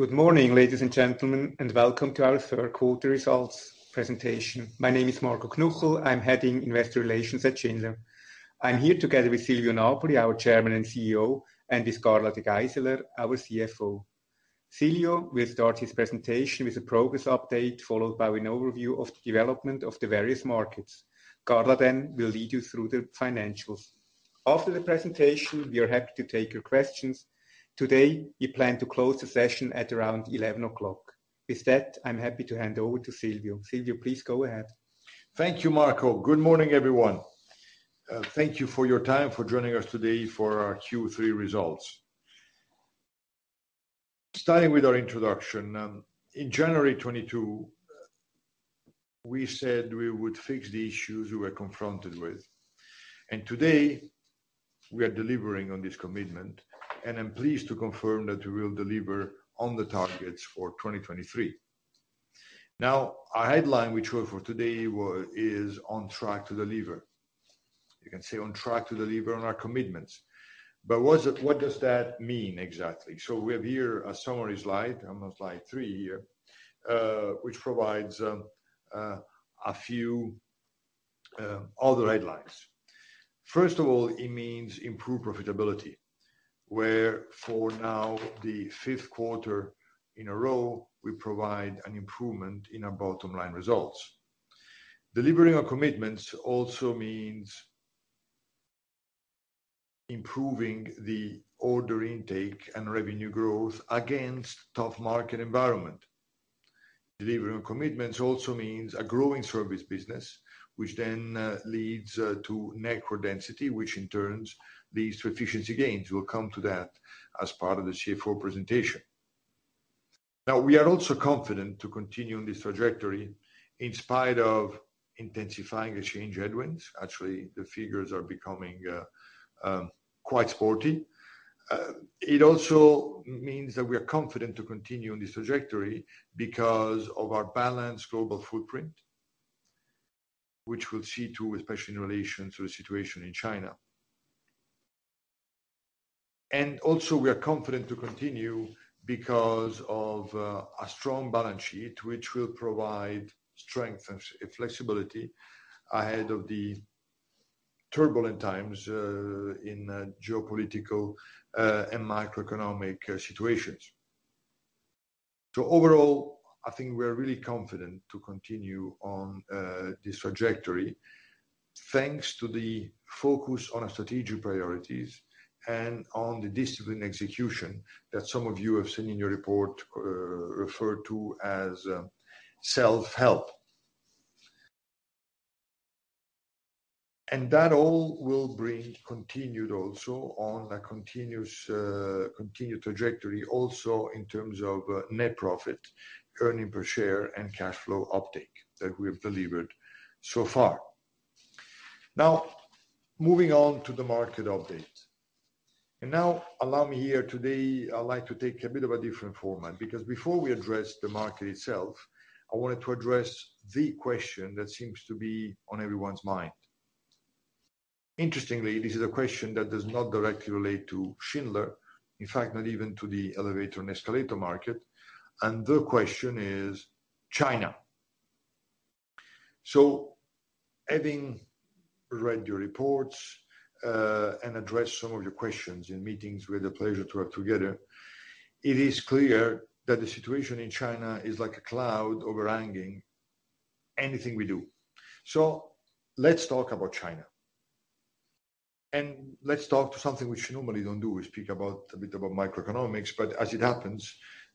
Good morning, ladies and gentlemen, and welcome to our Q3 Results Presentation. My name is Marco Knuchel. I'm heading Investor Relations at Schindler. I'm here together with Silvio Napoli, our Chairman and CEO, and with Carla De Geyseleer, our CFO. Silvio will start his presentation with a progress update, followed by an overview of the development of the various markets. Carla then will lead you through the financials. After the presentation, we are happy to take your questions. Today, we plan to close the session at around 11:00 A.M. With that, I'm happy to hand over to Silvio. Silvio, please go ahead. Thank you, Marco. Good morning, everyone. Thank you for your time for joining us today for our Q3 results. Starting with our introduction, in January 2022, we said we would fix the issues we were confronted with, and today, we are delivering on this commitment, and I'm pleased to confirm that we will deliver on the targets for 2023. Now, our headline, which were for today, is on track to deliver. You can say on track to deliver on our commitments. But what does that mean exactly? So we have here a summary slide, on the slide 3 here, which provides all the guidelines. First of all, it means improved profitability, where for now, the fifth quarter in a row, we provide an improvement in our bottom-line results. Delivering our commitments also means improving the order intake and revenue growth against tough market environment. Delivering on commitments also means a growing service business, which then leads to network density, which in turn leads to efficiency gains. We'll come to that as part of the CFO presentation. Now, we are also confident to continue on this trajectory in spite of intensifying exchange headwinds. Actually, the figures are becoming quite sporty. It also means that we are confident to continue on this trajectory because of our balanced global footprint, which we'll see too, especially in relation to the situation in China. And also, we are confident to continue because of a strong balance sheet, which will provide strength and flexibility ahead of the turbulent times in geopolitical and macroeconomic situations. So overall, I think we are really confident to continue on this trajectory, thanks to the focus on our strategic priorities and on the disciplined execution that some of you have seen in your report, referred to as self-help. And that all will bring continued also on a continuous, continued trajectory, also in terms of net profit, earnings per share, and cash flow uptake that we have delivered so far. Now, moving on to the market update. Now allow me here today. I'd like to take a bit of a different format, because before we address the market itself, I wanted to address the question that seems to be on everyone's mind. Interestingly, this is a question that does not directly relate to Schindler, in fact, not even to the elevator and escalator market, and the question is China. So having read your reports, and addressed some of your questions in meetings with the pleasure to work together, it is clear that the situation in China is like a cloud overhanging anything we do. So let's talk about China, and let's talk to something which we normally don't do. We speak about a bit about microeconomics, but as it happens,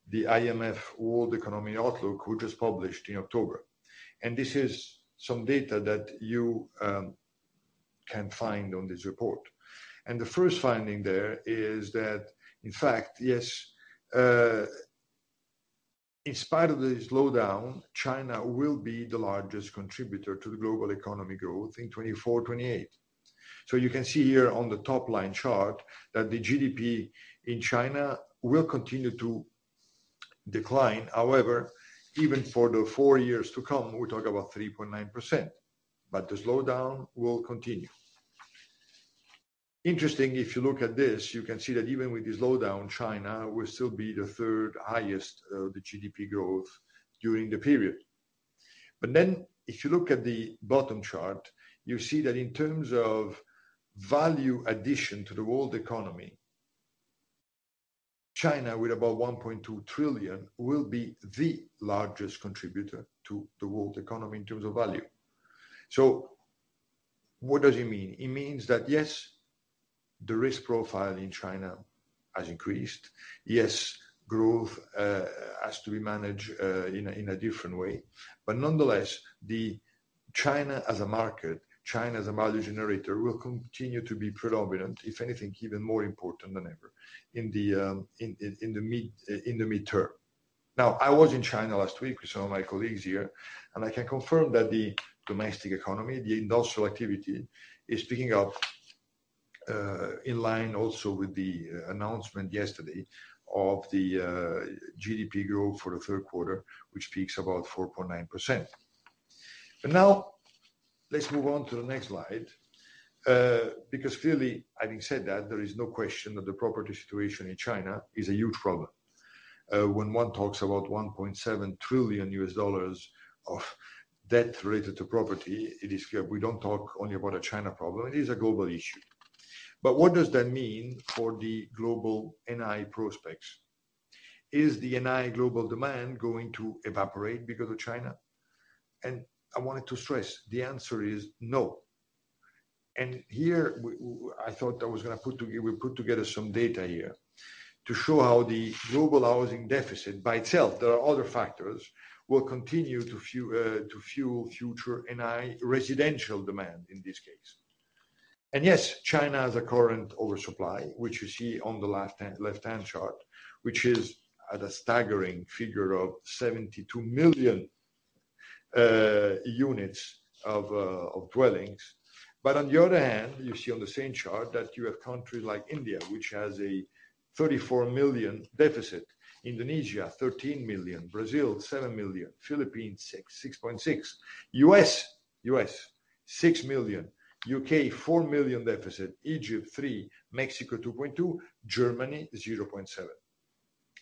the IMF World Economic Outlook, which was published in October, and this is some data that you can find on this report. And the first finding there is that, in fact, yes, in spite of the slowdown, China will be the largest contributor to the global economy growth in 2024-2028. So you can see here on the top line chart that the GDP in China will continue to decline. However, even for the four years to come, we talk about 3.9%, but the slowdown will continue. Interestingly, if you look at this, you can see that even with the slowdown, China will still be the third highest, the GDP growth during the period. But then, if you look at the bottom chart, you see that in terms of value addition to the world economy, China, with about $1.2 trillion, will be the largest contributor to the world economy in terms of value. So what does it mean? It means that, yes, the risk profile in China has increased. Yes, growth, has to be managed, in a, in a different way. But nonetheless, the China as a market, China as a value generator, will continue to be predominant, if anything, even more important than ever in the mid-term. Now, I was in China last week with some of my colleagues here, and I can confirm that the domestic economy, the industrial activity, is picking up in line also with the announcement yesterday of the GDP growth for the Q3, which peaks about 4.9%. But now let's move on to the next slide, because clearly, having said that, there is no question that the property situation in China is a huge problem. When one talks about $1.7 trillion of debt related to property, it is clear we don't talk only about a China problem. It is a global issue. But what does that mean for the global NI prospects? Is the NI global demand going to evaporate because of China? And I wanted to stress, the answer is No. And here, I thought I was gonna put together, we put together some data here to show how the global housing deficit by itself, there are other factors, will continue to fuel, to fuel future NI residential demand in this case. And yes, China has a current oversupply, which you see on the left hand, left-hand chart, which is at a staggering figure of 72 million units of dwellings. But on the other hand, you see on the same chart that you have countries like India, which has a 34 million deficit; Indonesia, 13 million; Brazil, 7 million; Philippines, 6.6; U.S., 6 million; U.K., 4 million deficit; Egypt, 3; Mexico, 2.2; Germany, 0.7.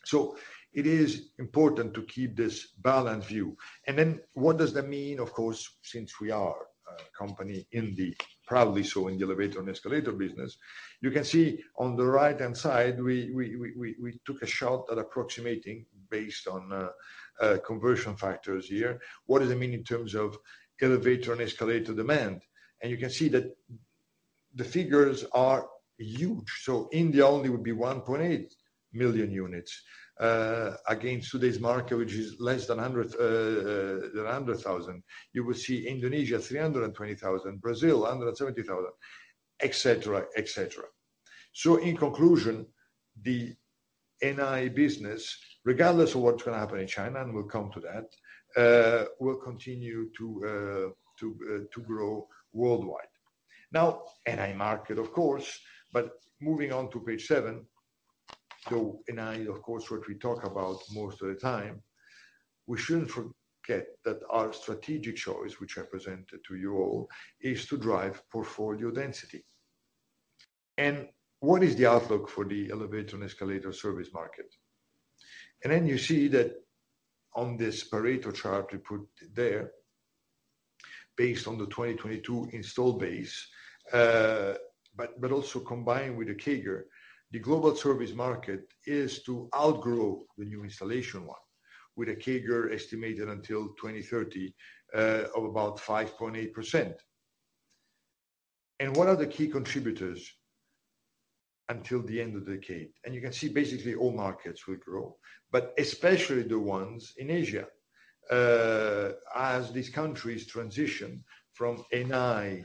So it is important to keep this balanced view. And then what does that mean, of course, since we are a company in the proudly so in the elevator and escalator business, you can see on the right-hand side, we took a shot at approximating based on, conversion factors here. What does it mean in terms of elevator and escalator demand? And you can see that the figures are huge. So India only would be 1.8 million units, against today's market, which is less than 100,000. You will see Indonesia, 320,000; Brazil, 170,000, et cetera, et cetera. So in conclusion, the NI business, regardless of what's gonna happen in China, and we'll come to that, will continue to grow worldwide. Now, NI market, of course, but moving on to page seven, so NI, of course, what we talk about most of the time, we shouldn't forget that our strategic choice, which I presented to you all, is to drive portfolio density. And what is the outlook for the elevator and escalator service market? And then you see that on this Pareto chart we put there, based on the 2022 installed base, but also combined with the CAGR, the global service market is to outgrow the new installation one, with a CAGR estimated until 2030, of about 5.8%. What are the key contributors until the end of the decade? You can see basically all markets will grow, but especially the ones in Asia, as these countries transition from NI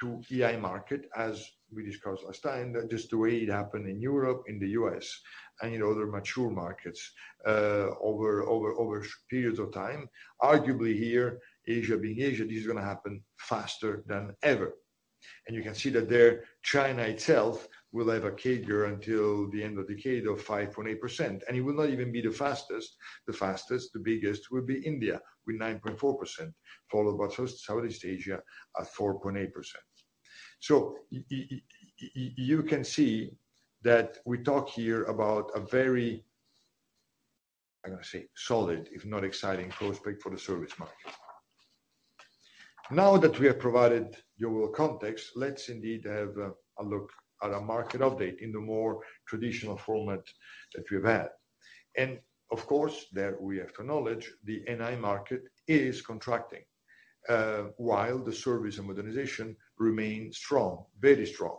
to EI market, as we discussed last time, just the way it happened in Europe, in the US, and in other mature markets, over periods of time. Arguably here, Asia being Asia, this is gonna happen faster than ever. And you can see that there, China itself will have a CAGR until the end of the decade of 5.8%, and it will not even be the fastest. The fastest, the biggest will be India, with 9.4%, followed by Southeast Asia at 4.8%. So you can see that we talk here about a very, I'm gonna say, solid, if not exciting, prospect for the service market. Now that we have provided you with context, let's indeed have a look at a market update in the more traditional format that we've had. And of course, there we have to acknowledge the NI market is contracting, while the service and modernization remain strong, very strong.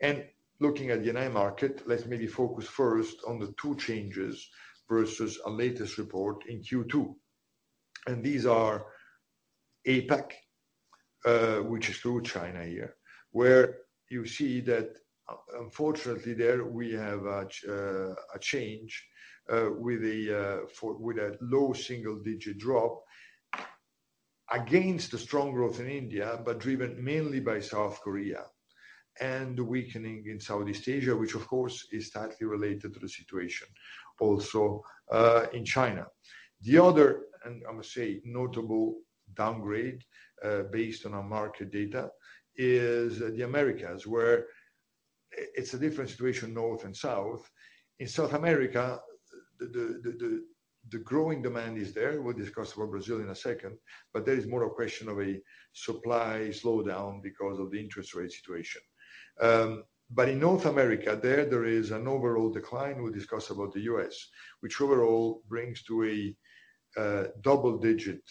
And looking at the NI market, let's maybe focus first on the two changes versus our latest report in Q2. These are APAC, which is through China here, where you see that, unfortunately, there we have a change with a low single-digit drop against the strong growth in India, but driven mainly by South Korea and the weakening in Southeast Asia, which of course, is tightly related to the situation also in China. The other, and I must say, notable downgrade based on our market data, is the Americas, where it's a different situation, North and South. In South America, the growing demand is there. We'll discuss about Brazil in a second, but there is more a question of a supply slowdown because of the interest rate situation. But in North America, there is an overall decline. We'll discuss about the U.S., which overall brings to a double-digit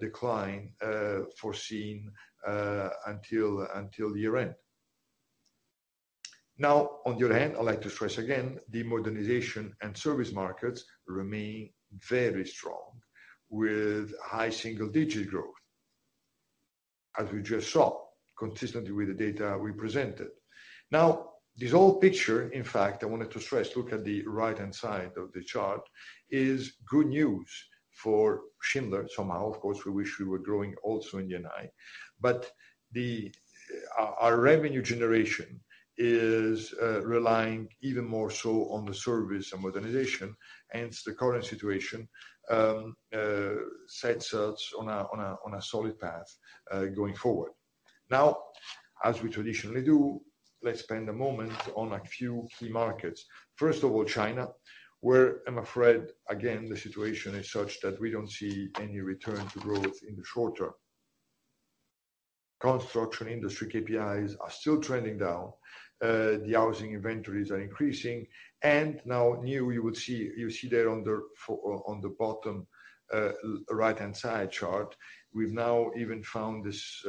decline foreseen until the year end. Now, on the other hand, I'd like to stress again, the modernization and service markets remain very strong, with high single-digit growth, as we just saw, consistently with the data we presented. Now, this whole picture, in fact, I wanted to stress, look at the right-hand side of the chart, is good news for Schindler. Somehow, of course, we wish we were growing also in the NI, but the our revenue generation is relying even more so on the service and modernization, hence the current situation sets us on a solid path going forward. Now, as we traditionally do, let's spend a moment on a few key markets. First of all, China, where I'm afraid, again, the situation is such that we don't see any return to growth in the short term. Construction industry KPIs are still trending down, the housing inventories are increasing, and now you would see-- you see there on the bottom, right-hand side chart, we've now even found this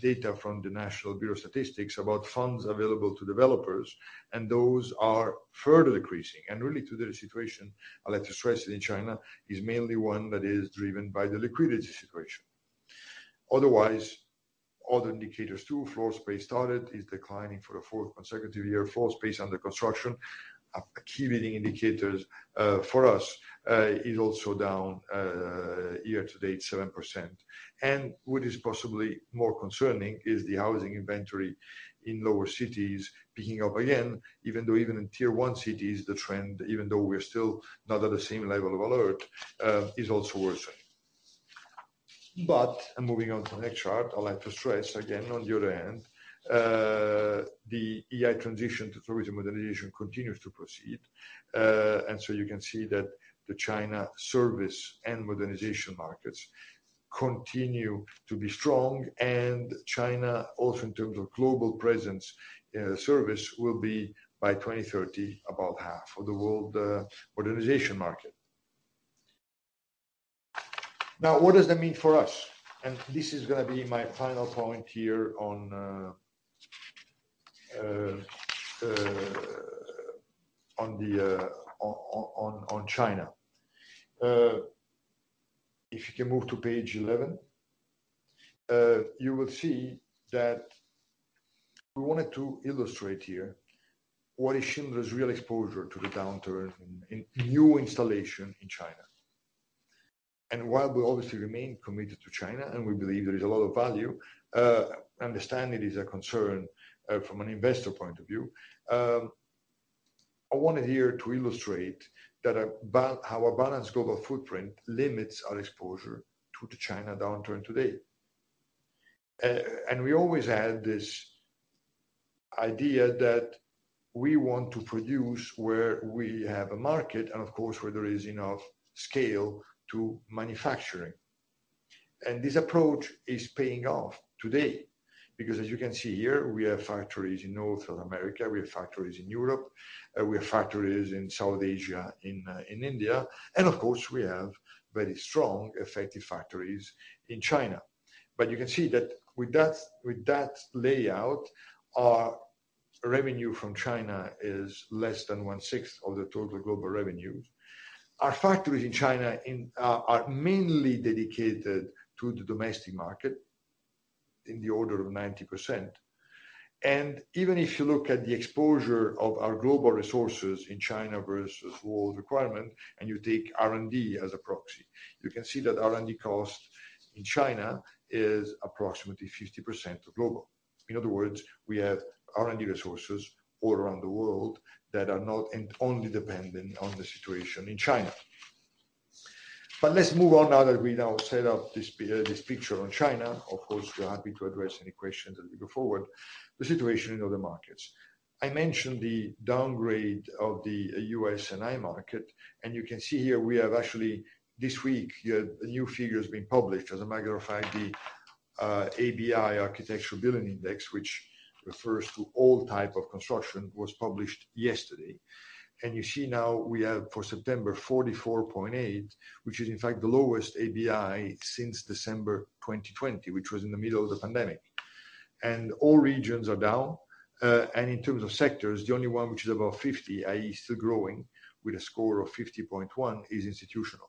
data from the National Bureau of Statistics about funds available to developers, and those are further decreasing. And really, to the situation, I'd like to stress it in China, is mainly one that is driven by the liquidity situation. Otherwise, all the indicators, too, floor space started is declining for the fourth consecutive year. Floor space under construction, a key leading indicator for us, is also down year to date, 7%. And what is possibly more concerning is the housing inventory in lower cities picking up again, even though even in Tier One cities, the trend, even though we're still not at the same level of alert, is also worsening. But moving on to the next chart, I'd like to stress again, on the other hand, the EI transition to tourism modernization continues to proceed. And so you can see that the China service and modernization markets continue to be strong, and China also in terms of global presence, service, will be by 2030, about half of the world, modernization market. Now, what does that mean for us? And this is gonna be my final point here on China. If you can move to page 11, you will see that we wanted to illustrate here what is Schindler's real exposure to the downturn in new installation in China. And while we obviously remain committed to China, and we believe there is a lot of value, understand it is a concern from an investor point of view. I wanted here to illustrate that our balanced global footprint limits our exposure to the China downturn today. We always had this idea that we want to produce where we have a market and, of course, where there is enough scale to manufacturing. And this approach is paying off today because, as you can see here, we have factories in North America, we have factories in Europe, we have factories in South Asia, in India, and of course, we have very strong, effective factories in China. But you can see that with that, with that layout, our revenue from China is less than one-sixth of the total global revenue. Our factories in China are mainly dedicated to the domestic market in the order of 90%. And even if you look at the exposure of our global resources in China versus world requirement, and you take R&D as a proxy, you can see that R&D cost in China is approximately 50% of global. In other words, we have R&D resources all around the world that are not and only dependent on the situation in China. But let's move on now that we now set up this picture on China. Of course, we're happy to address any questions as we go forward. The situation in other markets. I mentioned the downgrade of the U.S. and India market, and you can see here we have actually, this week, a new figure has been published. As a matter of fact, the ABI, Architectural Billing Index, which refers to all type of construction, was published yesterday. And you see now we have for September, 44.8, which is in fact the lowest ABI since December 2020, which was in the middle of the pandemic. And all regions are down, and in terms of sectors, the only one which is above 50, i.e., still growing with a score of 50.1, is institutional.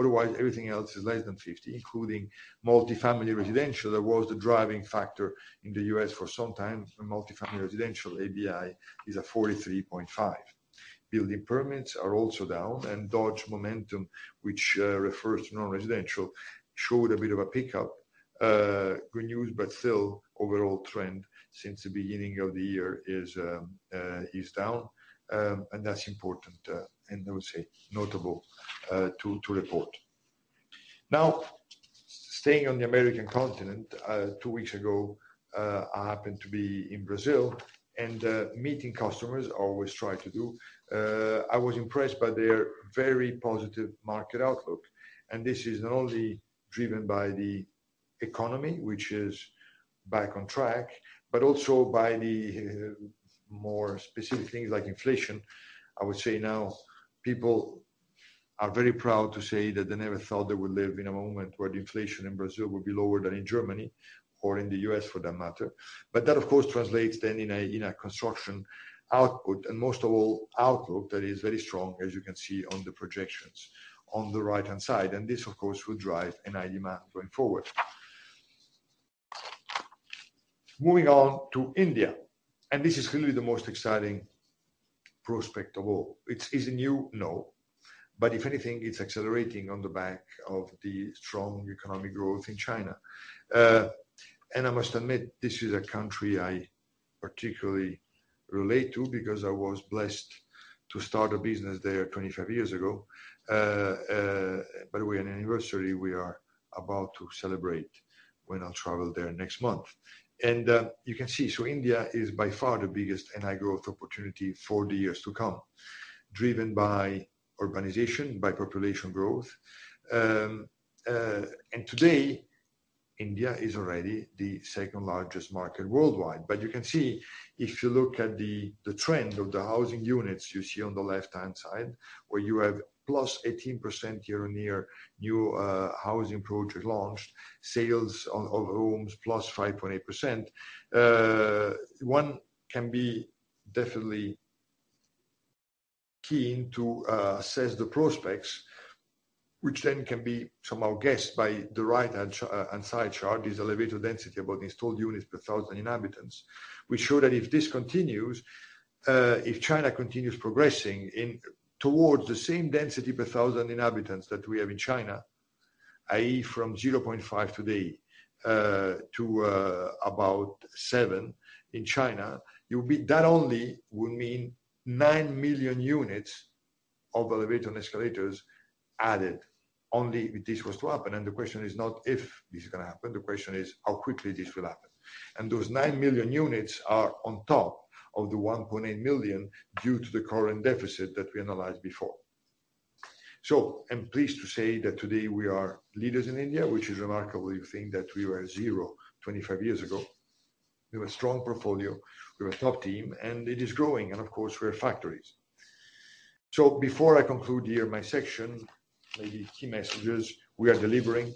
Otherwise, everything else is less than 50, including multifamily residential, that was the driving factor in the U.S. for some time, and multifamily residential ABI is at 43.5. Building permits are also down, and Dodge Momentum, which refers to non-residential, showed a bit of a pickup, good news, but still overall trend since the beginning of the year is down. And that's important, and I would say, notable, to report. Now, staying on the American continent, two weeks ago, I happened to be in Brazil, and meeting customers, I always try to do. I was impressed by their very positive market outlook, and this is not only driven by the economy, which is back on track, but also by the more specific things like inflation. I would say now, people are very proud to say that they never thought they would live in a moment where the inflation in Brazil would be lower than in Germany or in the U.S., for that matter. But that, of course, translates then in a construction output, and most of all, outlook that is very strong, as you can see on the projections on the right-hand side, and this, of course, will drive a high demand going forward. Moving on to India, and this is clearly the most exciting prospect of all. It's, is it new? No, but if anything, it's accelerating on the back of the strong economic growth in China. And I must admit, this is a country I particularly relate to, because I was blessed to start a business there 25 years ago. By the way, an anniversary we are about to celebrate when I'll travel there next month. And, you can see, so India is by far the biggest and high growth opportunity for the years to come, driven by organization, by population growth. And today, India is already the second largest market worldwide. But you can see, if you look at the trend of the housing units you see on the left-hand side, where you have +18% year-on-year new housing projects launched, sales on, of homes +5.8%. One can be definitely keen to assess the prospects, which then can be somehow guessed by the right hand side chart, this elevator density about installed units per 1,000 inhabitants, which show that if this continues, if China continues progressing towards the same density per 1,000 inhabitants that we have in China, i.e., from 0.5 today to about 7 in China, that only will mean 9 million units of elevator and escalators added, only if this was to happen. The question is not if this is gonna happen, the question is how quickly this will happen. Those 9 million units are on top of the 1.8 million due to the current deficit that we analyzed before. So I'm pleased to say that today we are leaders in India, which is remarkable you think that we were zero 25 years ago. We have a strong portfolio, we have a top team, and it is growing, and of course, we have factories. So before I conclude here my section, maybe key messages: we are delivering.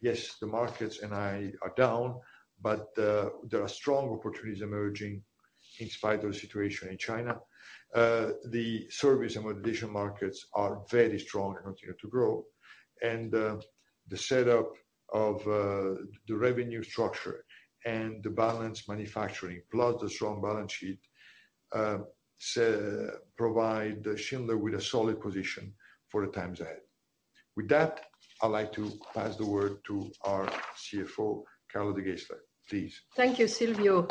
Yes, the markets NI are down, but there are strong opportunities emerging in spite of the situation in China. The service and modernization markets are very strong and continue to grow. And the setup of the revenue structure and the balanced manufacturing, plus the strong balance sheet, provide Schindler with a solid position for the times ahead. With that, I'd like to pass the word to our CFO, Carla De Geyseleer. Please. Thank you, Silvio.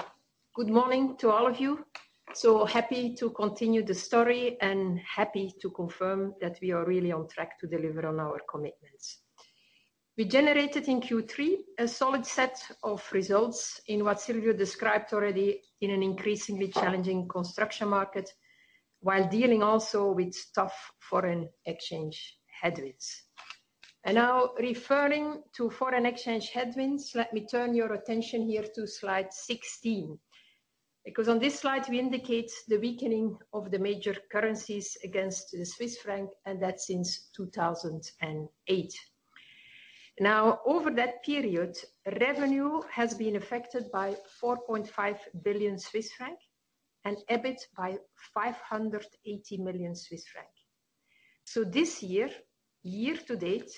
Good morning to all of you. So happy to continue the story and happy to confirm that we are really on track to deliver on our commitments. We generated in Q3 a solid set of results in what Silvio described already in an increasingly challenging construction market, while dealing also with tough foreign exchange headwinds. And now referring to foreign exchange headwinds, let me turn your attention here to slide 16. Because on this slide, we indicate the weakening of the major currencies against the Swiss franc, and that's since 2008. Now, over that period, revenue has been affected by 4.5 billion Swiss francs and EBIT by 580 million Swiss francs. So this year, year to date,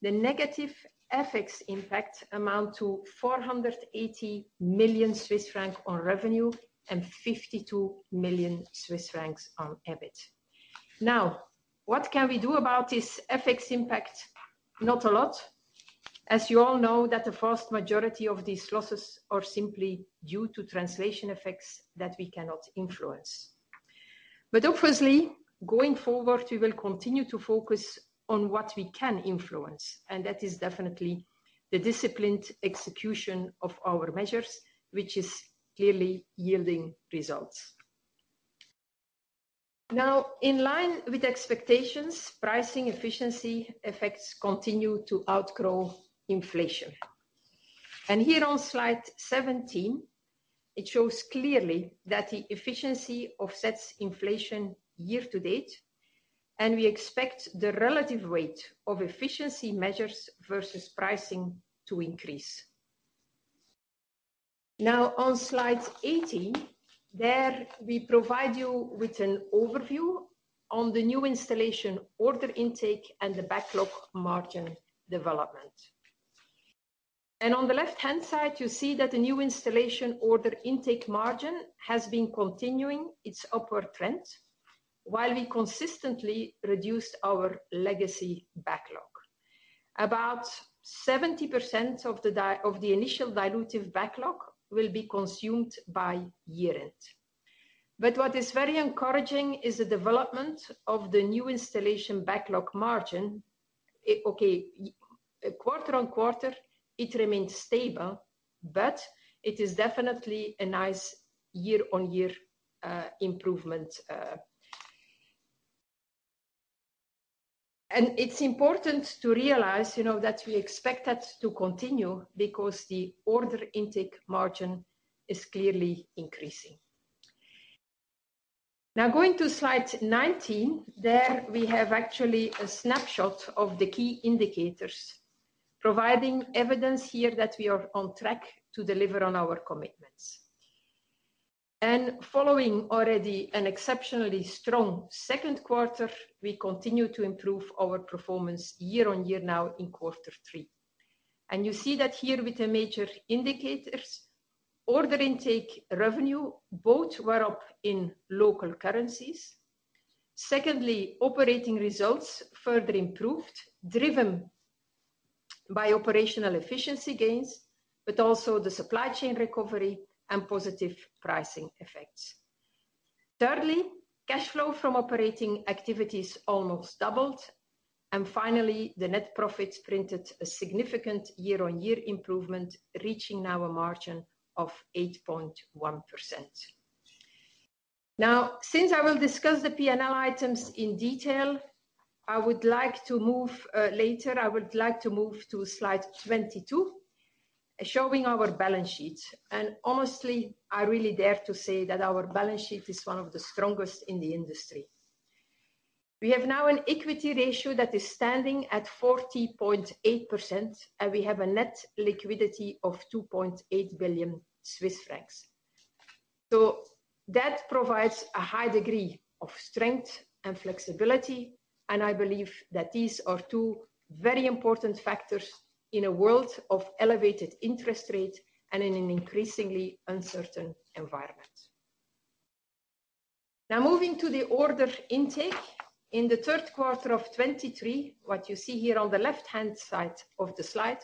the negative FX impact amount to 480 million Swiss francs on revenue and 52 million Swiss francs on EBIT. Now, what can we do about this FX impact? Not a lot. As you all know, that the vast majority of these losses are simply due to translation effects that we cannot influence. But obviously, going forward, we will continue to focus on what we can influence, and that is definitely the disciplined execution of our measures, which is clearly yielding results. Now, in line with expectations, pricing efficiency effects continue to outgrow inflation. And here on slide 17, it shows clearly that the efficiency offsets inflation year to date, and we expect the relative weight of efficiency measures versus pricing to increase. Now, on slide 18, there we provide you with an overview on the new installation, order intake, and the backlog margin development. On the left-hand side, you see that the new installation order intake margin has been continuing its upward trend, while we consistently reduced our legacy backlog. About 70% of the initial dilutive backlog will be consumed by year-end. But what is very encouraging is the development of the new installation backlog margin. It, okay, quarter-over-quarter, it remains stable, but it is definitely a nice year-over-year improvement. And it's important to realize, you know, that we expect that to continue because the order intake margin is clearly increasing. Now, going to slide 19, there we have actually a snapshot of the key indicators, providing evidence here that we are on track to deliver on our commitments. And following already an exceptionally strong Q2, we continue to improve our performance year-over-year now in quarter three. You see that here with the major indicators, order intake, revenue, both were up in local currencies. Secondly, operating results further improved, driven by operational efficiency gains, but also the supply chain recovery and positive pricing effects. Thirdly, cash flow from operating activities almost doubled, and finally, the net profits printed a significant year-on-year improvement, reaching now a margin of 8.1%. Now, since I will discuss the PNL items in detail, I would like to move, later. I would like to move to slide 22, showing our balance sheet. Honestly, I really dare to say that our balance sheet is one of the strongest in the industry. We have now an equity ratio that is standing at 40.8%, and we have a net liquidity of 2.8 billion Swiss francs. So that provides a high degree of strength and flexibility, and I believe that these are two very important factors in a world of elevated interest rate and in an increasingly uncertain environment. Now, moving to the order intake. In the Q3 of 2023, what you see here on the left-hand side of the slide,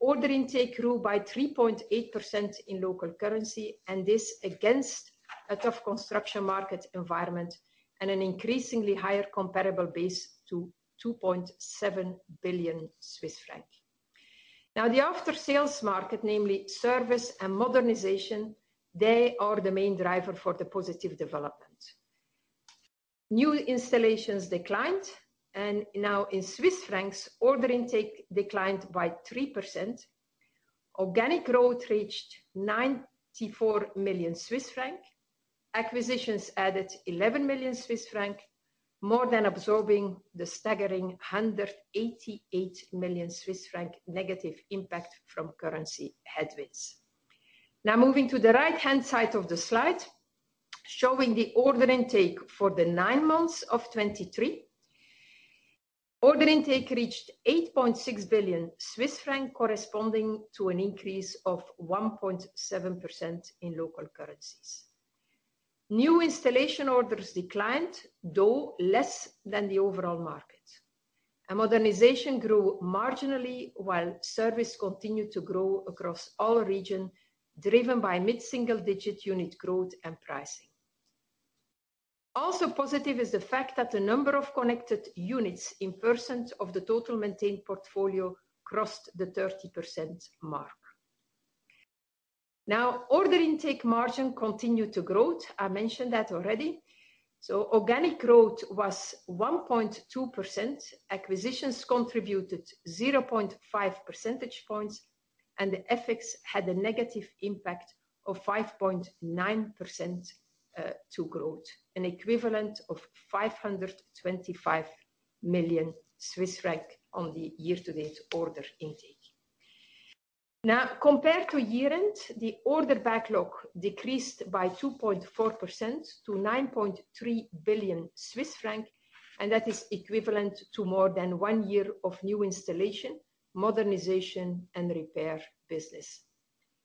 order intake grew by 3.8% in local currency, and this against a tough construction market environment and an increasingly higher comparable base to 2.7 billion Swiss francs. Now, the after-sales market, namely service and modernization, they are the main driver for the positive development. New installations declined, and now in Swiss francs, order intake declined by 3%. Organic growth reached 94 million Swiss franc. Acquisitions added 11 million Swiss franc, more than absorbing the staggering 188 million Swiss franc negative impact from currency headwinds. Now, moving to the right-hand side of the slide, showing the order intake for the nine months of 2023. Order intake reached 8.6 billion Swiss francs, corresponding to an increase of 1.7% in local currencies. New installation orders declined, though less than the overall market. Modernization grew marginally, while service continued to grow across all regions, driven by mid-single-digit unit growth and pricing. Also positive is the fact that the number of connected units in percent of the total maintained portfolio crossed the 30% mark. Now, order intake margin continued to grow. I mentioned that already. So organic growth was 1.2%. Acquisitions contributed 0.5 percentage points, and the FX had a negative impact of 5.9% to growth, an equivalent of 525 million Swiss franc on the year-to-date order intake. Now, compared to year-end, the order backlog decreased by 2.4% to 9.3 billion Swiss francs, and that is equivalent to more than one year of new installation, modernization, and repair business.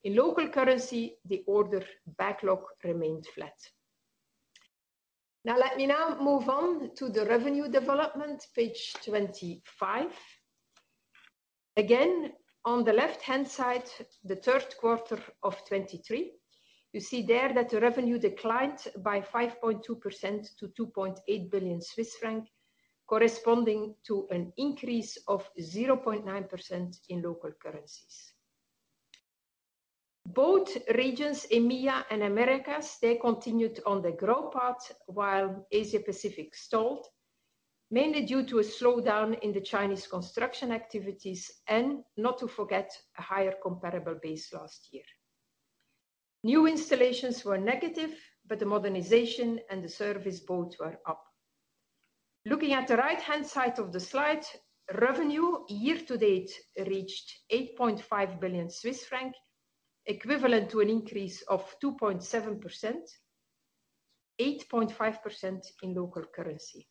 In local currency, the order backlog remained flat. Now, let me now move on to the revenue development, page 25. Again, on the left-hand side, the Q3 of 2023, you see there that the revenue declined by 5.2% to 2.8 billion Swiss francs, corresponding to an increase of 0.9% in local currencies. Both regions, EMEA and Americas, they continued on the growth path, while Asia-Pacific stalled, mainly due to a slowdown in the Chinese construction activities and, not to forget, a higher comparable base last year. New installations were negative, but the modernization and the service both were up. Looking at the right-hand side of the slide, revenue year to date reached 8.5 billion Swiss franc, equivalent to an increase of 2.7%, 8.5% in local currency.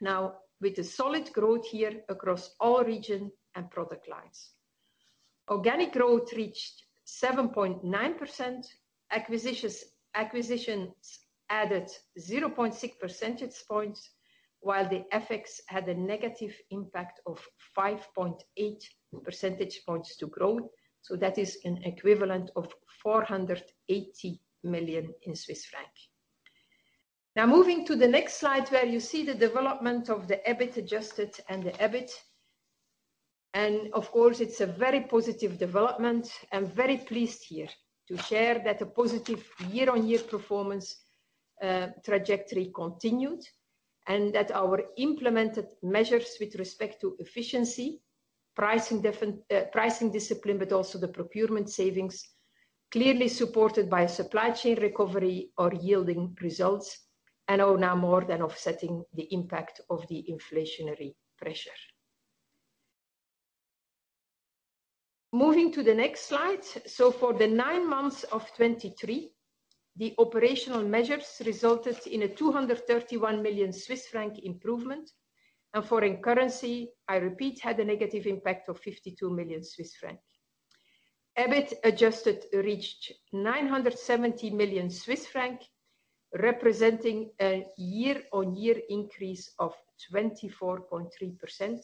Now, with a solid growth here across all region and product lines, organic growth reached 7.9%. Acquisitions added 0.6 percentage points, while the FX had a negative impact of 5.8 percentage points to growth. So that is an equivalent of 480 million. Now, moving to the next slide, where you see the development of the EBIT Adjusted and the EBIT. And of course, it's a very positive development. I'm very pleased here to share that a positive year-on-year performance trajectory continued, and that our implemented measures with respect to efficiency, pricing discipline, but also the procurement savings, clearly supported by supply chain recovery, are yielding results and are now more than offsetting the impact of the inflationary pressure. Moving to the next slide. So for the nine months of 2023, the operational measures resulted in a 231 million Swiss franc improvement, and foreign currency, I repeat, had a negative impact of 52 million Swiss francs. EBIT Adjusted reached 970 million Swiss franc, representing a year-on-year increase of 24.3%,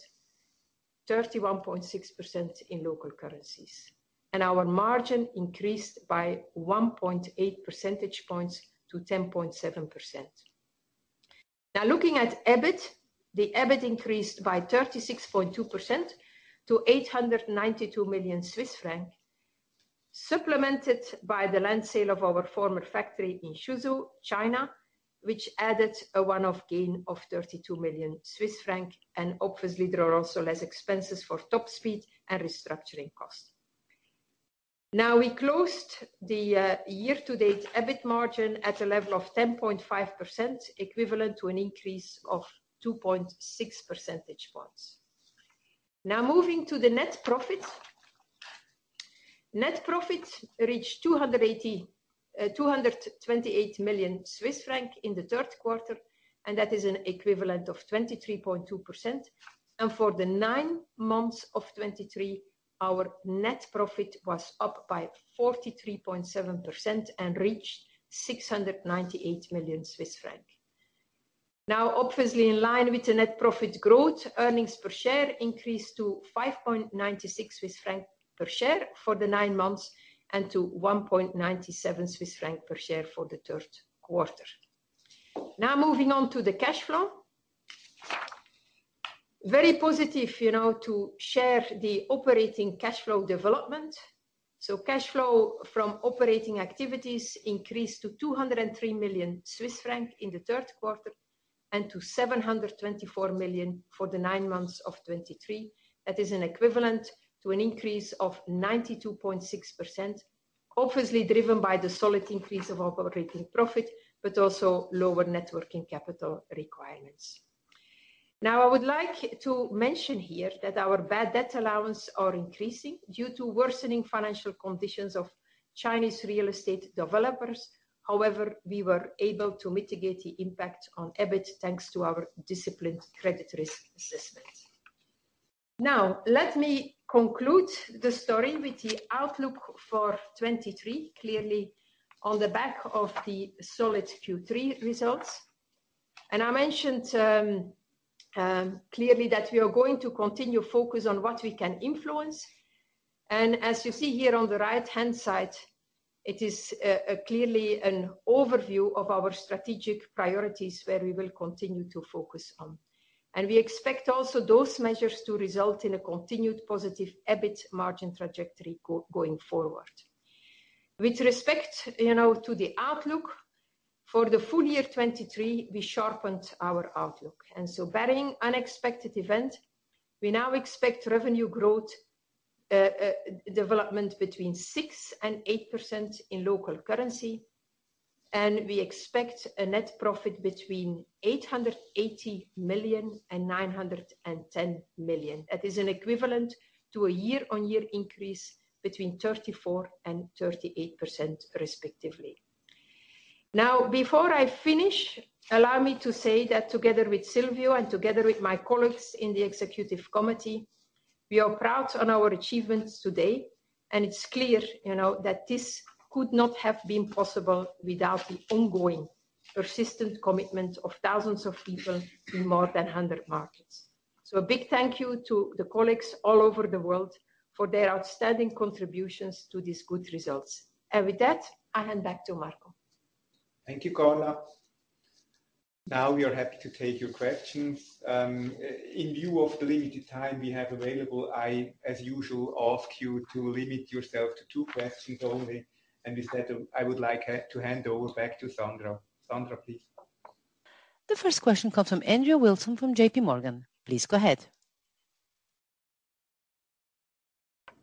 31.6% in local currencies. And our margin increased by 1.8 percentage points to 10.7%. Now, looking at EBIT, the EBIT increased by 36.2% to CHF 892 million, supplemented by the land sale of our former factory in Suzhou, China, which added a one-off gain of 32 million Swiss francs, and obviously there are also less expenses for Top Speed and restructuring costs. Now, we closed the year-to-date EBIT margin at a level of 10.5%, equivalent to an increase of 2.6 percentage points. Now, moving to the net profit. Net profit reached two hundred and twenty-eight million Swiss franc in the Q3, and that is an equivalent of 23.2%. For the nine months of 2023, our net profit was up by 43.7% and reached 698 million Swiss francs. Now, obviously, in line with the net profit growth, earnings per share increased to 5.96 Swiss franc per share for the nine months and to 1.97 Swiss franc per share for the Q3. Now, moving on to the cash flow. Very positive, you know, to share the operating cash flow development. So cash flow from operating activities increased to 203 million Swiss francs in the Q3, and to 724 million for the nine months of 2023. That is an equivalent to an increase of 92.6%, obviously driven by the solid increase of our operating profit, but also lower net working capital requirements. Now, I would like to mention here that our bad debt allowance are increasing due to worsening financial conditions of Chinese real estate developers. However, we were able to mitigate the impact on EBIT, thanks to our disciplined credit risk assessment. Now, let me conclude the story with the outlook for 2023, clearly on the back of the solid Q3 results. And I mentioned, clearly that we are going to continue focus on what we can influence. And as you see here on the right-hand side, it is, clearly an overview of our strategic priorities, where we will continue to focus on. And we expect also those measures to result in a continued positive EBIT margin trajectory going forward. With respect, you know, to the outlook, for the full year 2023, we sharpened our outlook. So barring unexpected event, we now expect revenue growth development between 6% and 8% in local currency, and we expect a net profit between 880 million and 910 million. That is an equivalent to a year-on-year increase between 34% and 38%, respectively. Now, before I finish, allow me to say that together with Silvio and together with my colleagues in the executive committee, we are proud on our achievements today, and it's clear, you know, that this could not have been possible without the ongoing persistent commitment of thousands of people in more than 100 markets. So a big thank you to the colleagues all over the world for their outstanding contributions to these good results. And with that, I hand back to Marco. Thank you, Carla. Now we are happy to take your questions. In view of the limited time we have available, I, as usual, ask you to limit yourself to two questions only, and with that, I would like to hand over back to Sandra. Sandra, please. The first question comes from Andrew Wilson from JPMorgan. Please go ahead.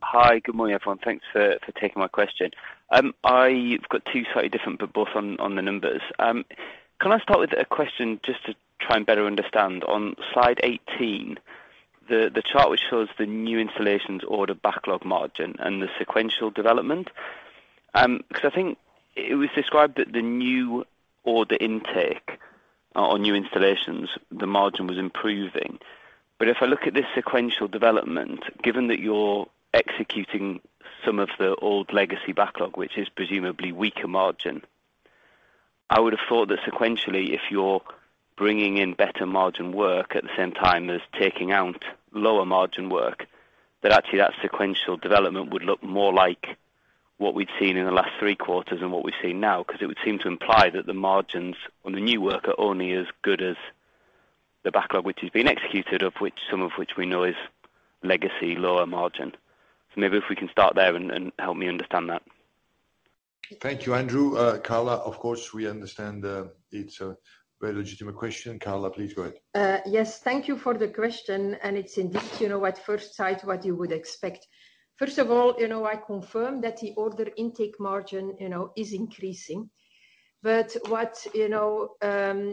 Hi, good morning, everyone. Thanks for taking my question. I've got two slightly different, but both on the numbers. Can I start with a question just to try and better understand, on slide 18, the chart which shows the new installations order backlog margin and the sequential development? Because I think it was described that the new order intake or new installations, the margin was improving. But if I look at this sequential development, given that you're executing some of the old legacy backlog, which is presumably weaker margin. I would have thought that sequentially, if you're bringing in better margin work at the same time as taking out lower margin work, that actually that sequential development would look more like what we've seen in the last three quarters than what we've seen now 'cause it would seem to imply that the margins on the new work are only as good as the backlog, which is being executed, of which some we know is legacy, lower margin. So maybe if we can start there and help me understand that. Thank you, Andrew. Carla, of course, we understand, it's a very legitimate question. Carla, please go ahead. Yes, thank you for the question, and it's indeed, you know, at first sight, what you would expect. First of all, you know, I confirm that the order intake margin, you know, is increasing. But what, you know,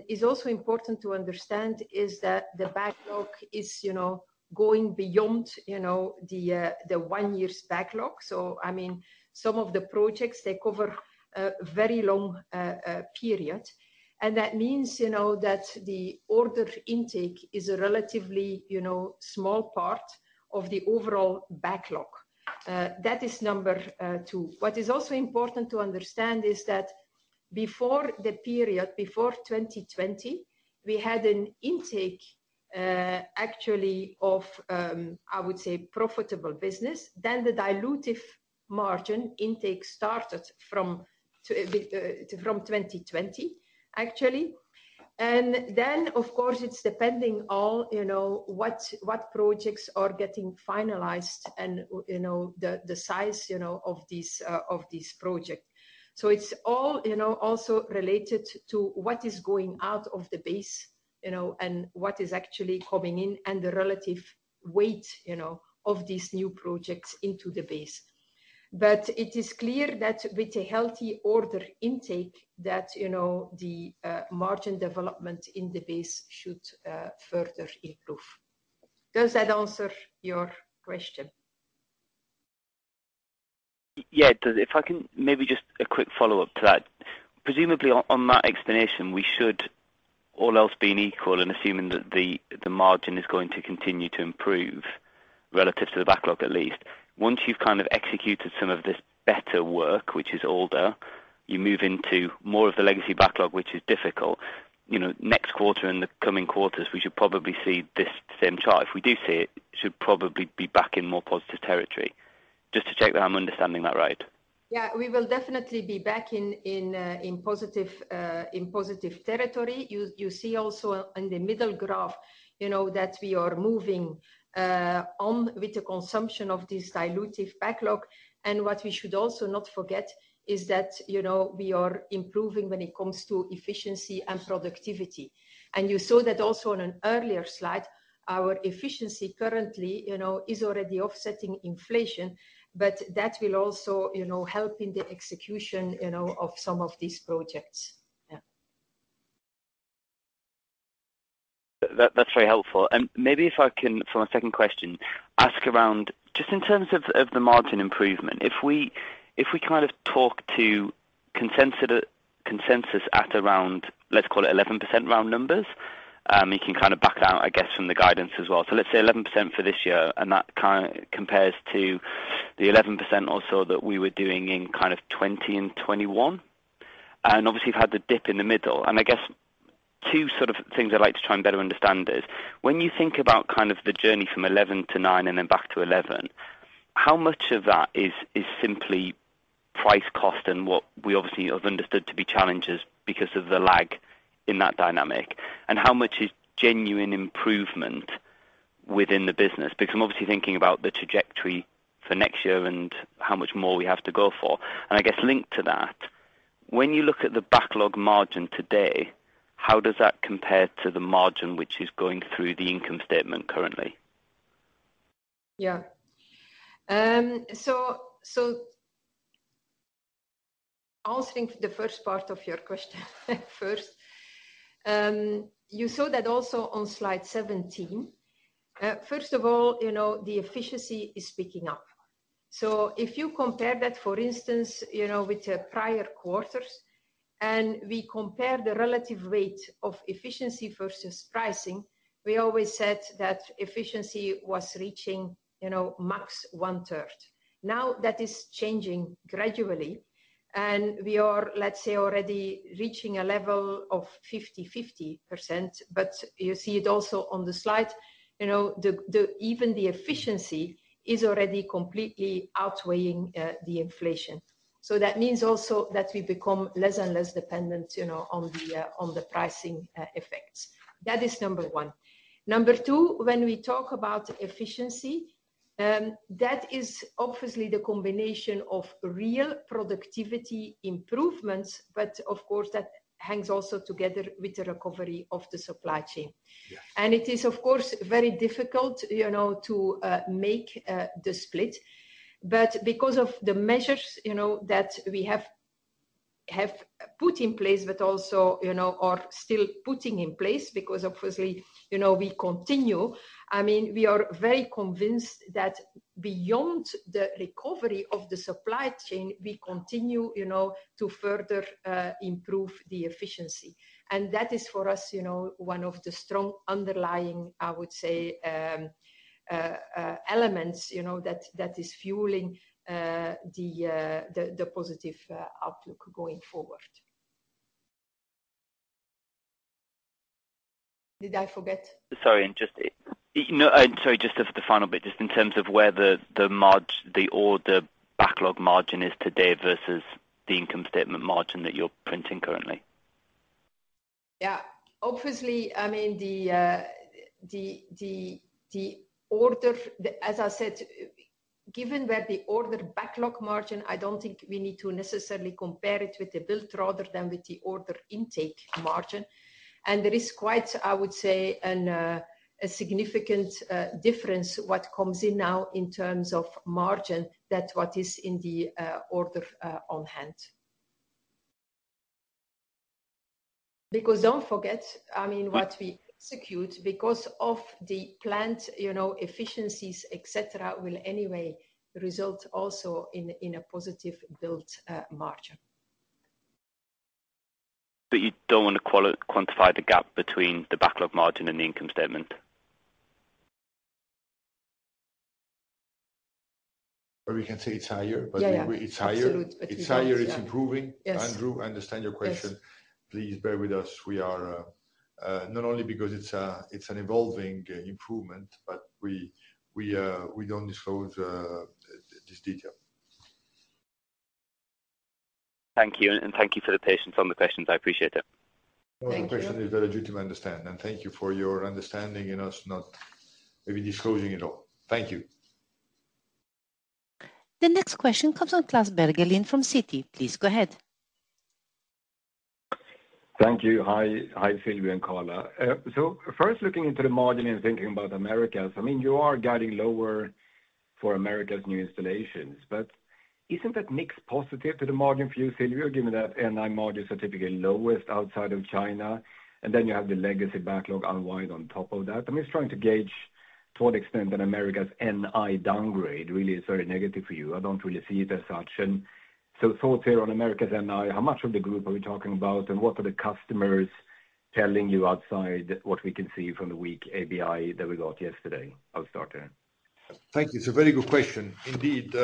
is also important to understand is that the backlog is, you know, going beyond, you know, the one year's backlog. So, I mean, some of the projects, they cover very long period. And that means, you know, that the order intake is a relatively, you know, small part of the overall backlog. That is number two. What is also important to understand is that before the period, before 2020, we had an intake actually of, I would say, profitable business. Then the dilutive margin intake started from 2020, actually. And then, of course, it's depending on, you know, what projects are getting finalized and, you know, the size, you know, of this project. So it's all, you know, also related to what is going out of the base, you know, and what is actually coming in, and the relative weight, you know, of these new projects into the base. But it is clear that with a healthy order intake that, you know, the margin development in the base should further improve. Does that answer your question? Yeah, it does. If I can maybe just a quick follow-up to that. Presumably on that explanation, we should, all else being equal, and assuming that the margin is going to continue to improve relative to the backlog, at least. Once you've kind of executed some of this better work, which is older, you move into more of the legacy backlog, which is difficult. You know, next quarter and the coming quarters, we should probably see this same chart. If we do see it, it should probably be back in more positive territory. Just to check that I'm understanding that right. Yeah, we will definitely be back in positive territory. You see also in the middle graph, you know, that we are moving on with the consumption of this dilutive backlog. And what we should also not forget is that, you know, we are improving when it comes to efficiency and productivity. And you saw that also on an earlier slide, our efficiency currently, you know, is already offsetting inflation, but that will also, you know, help in the execution, you know, of some of these projects. Yeah. That, that's very helpful. And maybe if I can, for my second question, ask around just in terms of the margin improvement. If we kind of talk to consensus at around, let's call it 11% round numbers, you can kind of back out, I guess, from the guidance as well. So let's say 11% for this year, and that compares to the 11% also that we were doing in kind of 2020 and 2021. And obviously, you've had the dip in the middle. And I guess two sort of things I'd like to try and better understand is: when you think about kind of the journey from 11 to 9 and then back to 11, how much of that is simply price cost and what we obviously have understood to be challenges because of the lag in that dynamic? How much is genuine improvement within the business? Because I'm obviously thinking about the trajectory for next year and how much more we have to go for. I guess linked to that, when you look at the backlog margin today, how does that compare to the margin which is going through the income statement currently? Yeah. So answering the first part of your question first. You saw that also on slide 17. First of all, you know, the efficiency is picking up. So if you compare that, for instance, you know, with the prior quarters, and we compare the relative weight of efficiency versus pricing, we always said that efficiency was reaching, you know, max one third. Now, that is changing gradually, and we are, let's say, already reaching a level of 50/50%, but you see it also on the slide. You know, even the efficiency is already completely outweighing the inflation. So that means also that we become less and less dependent, you know, on the pricing effects. That is number one. Number two, when we talk about efficiency, that is obviously the combination of real productivity improvements, but of course, that hangs also together with the recovery of the supply chain. Yeah. And it is, of course, very difficult, you know, to make the split. But because of the measures, you know, that we have put in place, but also, you know, are still putting in place, because obviously, you know, we continue. I mean, we are very convinced that beyond the recovery of the supply chain, we continue, you know, to further improve the efficiency. And that is, for us, you know, one of the strong underlying, I would say, elements, you know, that is fueling the positive outlook going forward. Did I forget? Sorry, and just, sorry, just as the final bit, just in terms of where the margin is today versus the income statement margin that you're printing currently. Yeah. Obviously, I mean, the order—as I said, given where the order backlog margin, I don't think we need to necessarily compare it with the build rather than with the order intake margin. And there is quite, I would say, a significant difference, what comes in now in terms of margin, that what is in the order on hand. Because don't forget, I mean, what we execute because of the planned, you know, efficiencies, et cetera, will anyway result also in a positive built margin. You don't want to quantify the gap between the backlog margin and the income statement? Or we can say it's higher? Yeah, yeah. But it's higher. Absolutely. It's higher, it's improving. Yes. Andrew, I understand your question. Yes. Please bear with us. We are not only because it's an evolving improvement, but we don't disclose this detail. Thank you, and thank you for the patience on the questions. I appreciate it. Thank you. No, the question is very legitimate, I understand. Thank you for your understanding, you know, us not maybe disclosing it all. Thank you. The next question comes from Klas Bergelind from Citi. Please go ahead. Thank you. Hi. Hi, Silvio and Carla. So first, looking into the margin and thinking about Americas, I mean, you are guiding lower for Americas new installations, but isn't that mixed positive to the margin for you, Silvio, given that NI margin is typically lowest outside of China, and then you have the legacy backlog unwind on top of that? I'm just trying to gauge to what extent that Americas NI downgrade really is very negative for you. I don't really see it as such. So thoughts here on Americas NI, how much of the group are we talking about, and what are the customers telling you outside what we can see from the weak ABI that we got yesterday? I'll start there. Thank you. It's a very good question. Indeed,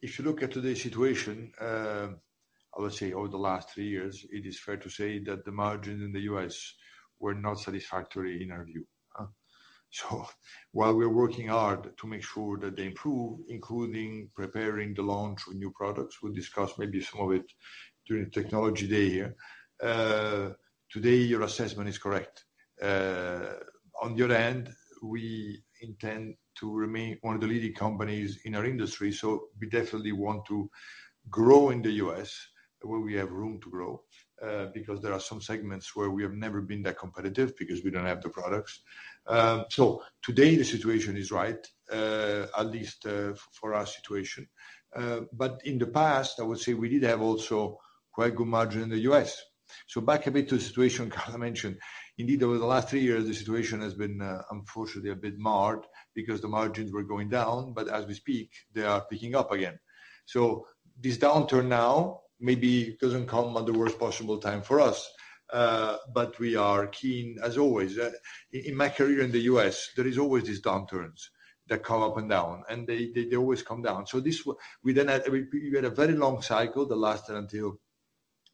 if you look at today's situation, I would say over the last three years, it is fair to say that the margin in the U.S. were not satisfactory in our view. So while we're working hard to make sure that they improve, including preparing the launch of new products, we'll discuss maybe some of it during the technology day here. Today, your assessment is correct. On the other hand, we intend to remain one of the leading companies in our industry, so we definitely want to grow in the U.S., where we have room to grow, because there are some segments where we have never been that competitive because we don't have the products. So today the situation is right, at least, for our situation. But in the past, I would say we did have also quite good margin in the U.S. So back a bit to the situation Carla mentioned. Indeed, over the last three years, the situation has been, unfortunately a bit marred because the margins were going down, but as we speak, they are picking up again. So this downturn now maybe doesn't come at the worst possible time for us, but we are keen, as always. In my career in the U.S., there is always these downturns that come up and down, and they always come down. So we then had a very long cycle that lasted until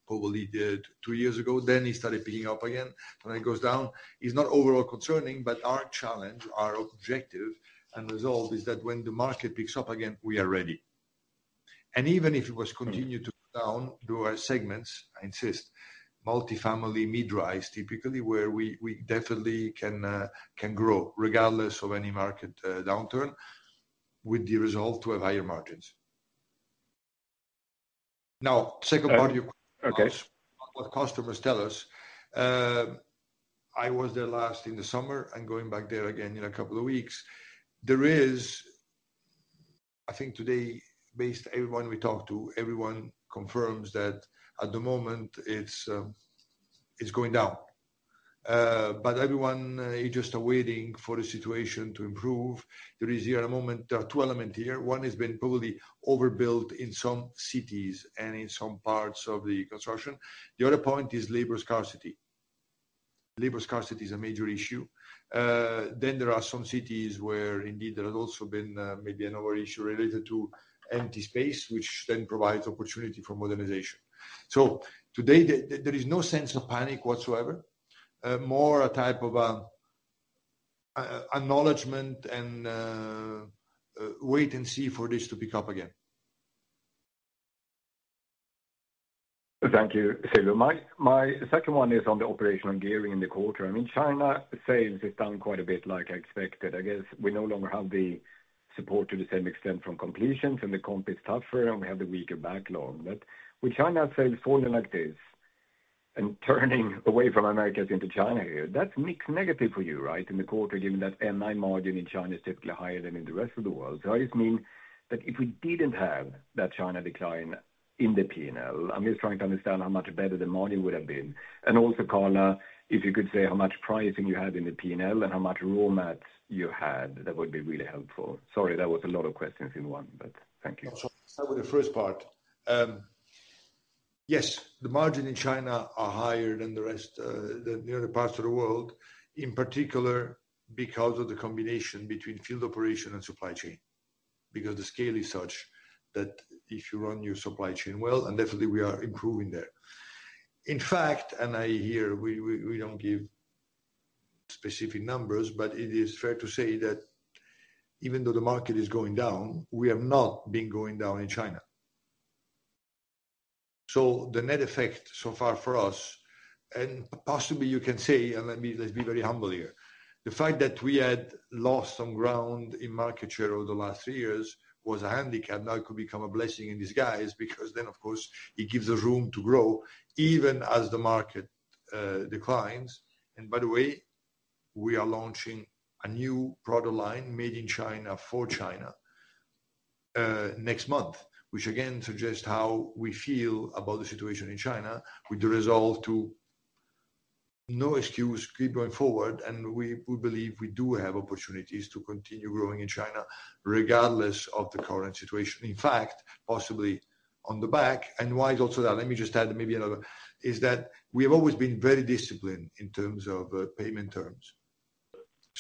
probably two years ago, then it started picking up again. When it goes down, it's not overall concerning, but our challenge, our objective and resolve is that when the market picks up again, we are ready. And even if it was continued to go down, there were segments, I insist, multifamily, mid-rise, typically, where we, we definitely can can grow regardless of any market downturn, with the result to have higher margins. Now, second part of your question- Okay What customers tell us. I was there last in the summer and going back there again in a couple of weeks. There is... I think today, based everyone we talk to, everyone confirms that at the moment it's, it's going down. But everyone is just waiting for the situation to improve. There is here a moment, two element here. One has been probably overbuilt in some cities and in some parts of the construction. The other point is labor scarcity. Labor scarcity is a major issue. Then there are some cities where indeed there has also been, maybe another issue related to empty space, which then provides opportunity for modernization. So today, there, there is no sense of panic whatsoever, more a type of a, a, acknowledgement and, wait and see for this to pick up again. Thank you, Silvio. My second one is on the operational gearing in the quarter. I mean, China sales is down quite a bit like I expected. I guess we no longer have the support to the same extent from completions, and the comp is tougher, and we have the weaker backlog. But with China sales falling like this and turning away from Americas into China here, that's mixed negative for you, right? In the quarter, given that NI margin in China is typically higher than in the rest of the world. So I just mean that if we didn't have that China decline in the P&L, I'm just trying to understand how much better the margin would have been. And also, Carla, if you could say how much pricing you had in the P&L and how much raw mats you had, that would be really helpful. Sorry, that was a lot of questions in one, but thank you. So start with the first part. Yes, the margin in China are higher than the rest, than the other parts of the world, in particular, because of the combination between field operation and supply chain. Because the scale is such that if you run your supply chain well, and definitely we are improving there. In fact, and here we don't give specific numbers, but it is fair to say that even though the market is going down, we have not been going down in China. So the net effect so far for us, and possibly you can say, and let me, let's be very humble here. The fact that we had lost some ground in market share over the last three years was a handicap. Now, it could become a blessing in disguise because then, of course, it gives us room to grow even as the market declines. And by the way, we are launching a new product line made in China for China next month, which again suggests how we feel about the situation in China, with the resolve to no excuse, keep going forward, and we believe we do have opportunities to continue growing in China regardless of the current situation. In fact, possibly on the back. And why is also that? Let me just add maybe another, is that we have always been very disciplined in terms of payment terms.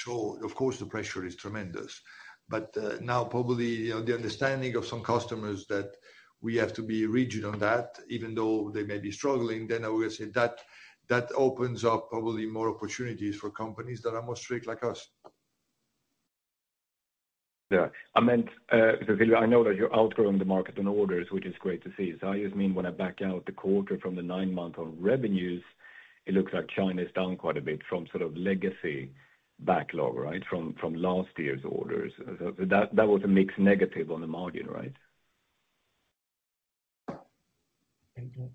Of course, the pressure is tremendous, but now probably, you know, the understanding of some customers that we have to be rigid on that, even though they may be struggling, then I will say that, that opens up probably more opportunities for companies that are more strict like us. Yeah. I meant, because I know that you're outgrowing the market and orders, which is great to see. So I just mean, when I back out the quarter from the nine-month on revenues, it looks like China is down quite a bit from sort of legacy backlog, right? From last year's orders. So that was a mixed negative on the margin, right?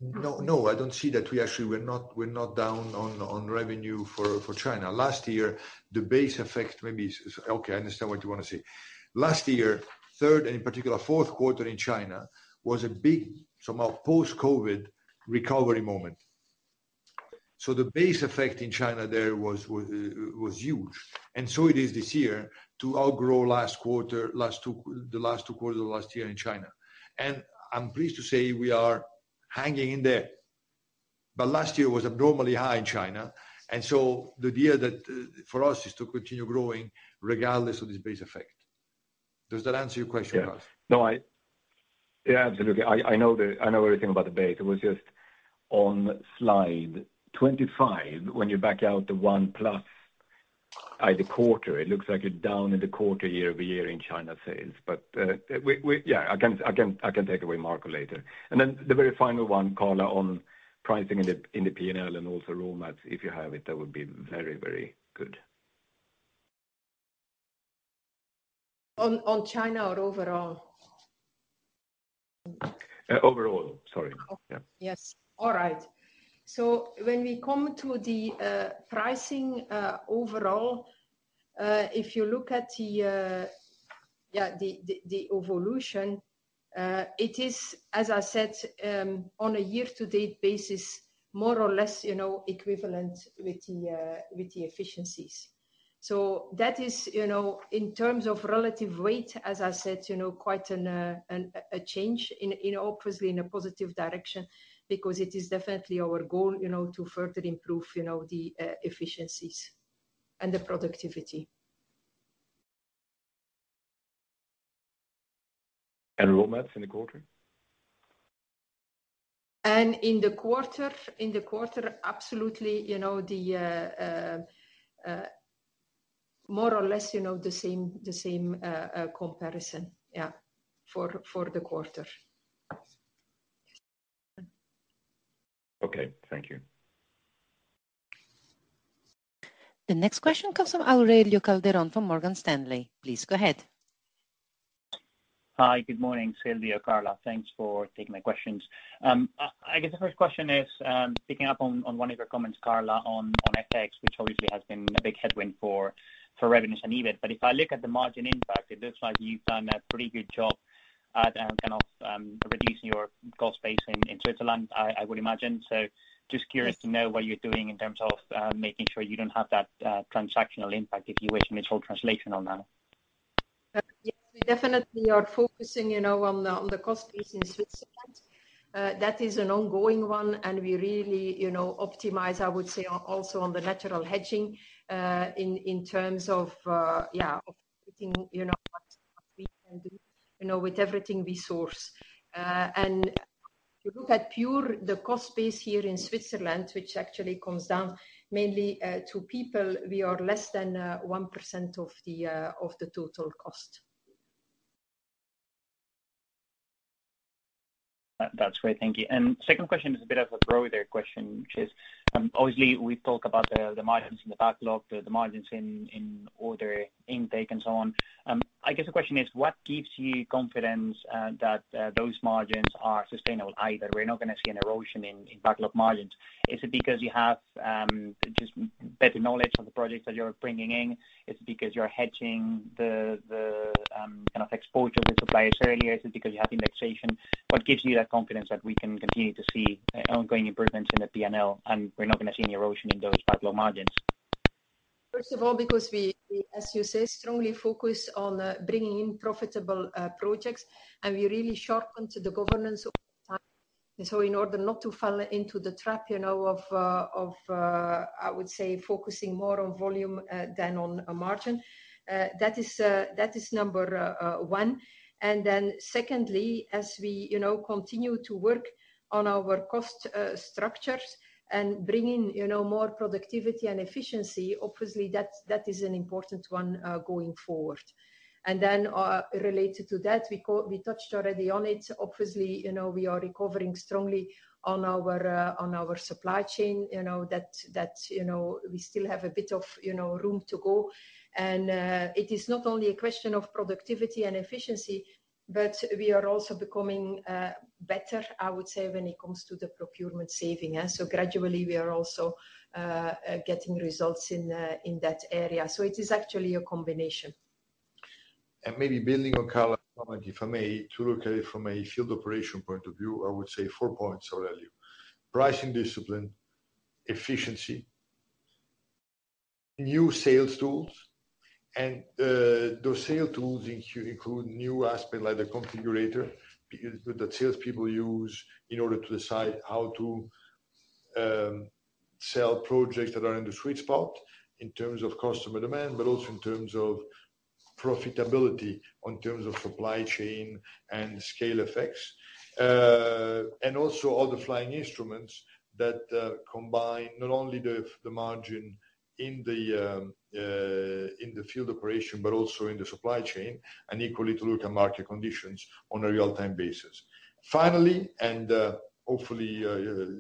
No, no, I don't see that. We actually, we're not down on revenue for China. Last year, the base effect maybe is... Okay, I understand what you want to say. Last year, Q3 and in particular, Q4 in China, was a big, somehow post-COVID recovery moment. So the base effect in China there was huge, and so it is this year to outgrow last quarter, last two, the last two quarters of last year in China. And I'm pleased to say we are hanging in there. But last year was abnormally high in China, and so the idea that for us is to continue growing regardless of this base effect. Does that answer your question, Lars? Yeah. No, yeah, absolutely. I know everything about the base. It was just on slide 25, when you back out the one plus, the quarter, it looks like you're down in the quarter year over year in China sales. But, yeah, I can take away Marco later. And then the very final one, Carla, on pricing in the P&L and also raw mats, if you have it, that would be very, very good. On China or overall? Overall, sorry. Oh, yeah. Yes. All right. So when we come to the pricing, overall, if you look at the, yeah, the evolution, it is, as I said, on a year-to-date basis, more or less, you know, equivalent with the efficiencies. So that is, you know, in terms of relative weight, as I said, you know, quite a change in obviously in a positive direction, because it is definitely our goal, you know, to further improve, you know, the efficiencies and the productivity. Roadmaps in the quarter? In the quarter, in the quarter, absolutely, you know, more or less, you know, the same, the same comparison. Yeah, for, for the quarter. Okay, thank you. The next question comes from Aurelio Calderón from Morgan Stanley. Please go ahead. Hi, good morning, Silvio, Carla. Thanks for taking my questions. I guess the first question is, picking up on one of your comments, Carla, on FX, which obviously has been a big headwind for revenues and EBIT. But if I look at the margin impact, it looks like you've done a pretty good job at kind of reducing your cost base in Switzerland, I would imagine. So just curious to know what you're doing in terms of making sure you don't have that transactional impact, if you wish, mutual translational now. Yes, we definitely are focusing, you know, on the cost base in Switzerland. That is an ongoing one, and we really, you know, optimize, I would say, also on the natural hedging, in terms of, yeah, of getting, you know, what we can do, you know, with everything we source. And if you look at pure, the cost base here in Switzerland, which actually comes down mainly to people, we are less than 1% of the total cost. That, that's great, thank you. And second question is a bit of a broader question, which is, obviously, we talk about the margins in the backlog, the margins in order intake and so on. I guess the question is: What gives you confidence that those margins are sustainable, either we're not going to see an erosion in backlog margins? Is it because you have just better knowledge of the projects that you're bringing in? Is it because you're hedging the kind of exposure to suppliers earlier? Is it because you have indexation? What gives you that confidence that we can continue to see ongoing improvements in the P&L, and we're not going to see any erosion in those backlog margins? First of all, because we, as you say, strongly focus on bringing in profitable projects, and we really sharpen to the governance over time. So in order not to fall into the trap, you know, of I would say, focusing more on volume than on a margin, that is number one. And then secondly, as we, you know, continue to work on our cost structures and bringing, you know, more productivity and efficiency, obviously that is an important one going forward. And then, related to that, we touched already on it. Obviously, you know, we are recovering strongly on our supply chain. You know, that, you know, we still have a bit of room to go. It is not only a question of productivity and efficiency, but we are also becoming better, I would say, when it comes to the procurement saving, yeah. So gradually we are also getting results in, in that area. So it is actually a combination. And maybe building on Carla's comment, if I may, to look at it from a field operation point of view, I would say four points of value: pricing discipline, efficiency, new sales tools, and those sales tools include new aspect, like the configurator, because the sales people use in order to decide how to sell projects that are in the sweet spot in terms of customer demand, but also in terms of profitability, in terms of supply chain and scale effects. And also all the flying instruments that combine not only the margin in the field operation, but also in the supply chain, and equally to look at market conditions on a real-time basis. Finally, and hopefully